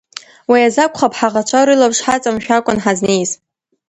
Уи азы акәхап ҳаӷацәа рылаԥш ҳаҵамшәакәан ҳазнеиз.